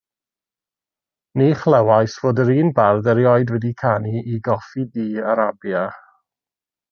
Ni chlywais fod yr un bardd erioed wedi canu i goffi du Arabia.